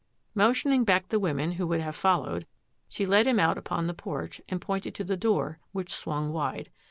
Motioning back the women who would have fol lowed, she led him out upon the porch and pointed to the door, which swung wide.